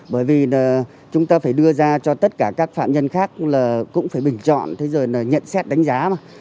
bởi vì là chúng ta phải đưa ra cho tất cả các phạm nhân khác là cũng phải bình chọn thế rồi là nhận xét đánh giá mà